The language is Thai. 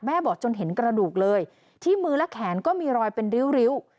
บอกจนเห็นกระดูกเลยที่มือและแขนก็มีรอยเป็นริ้ว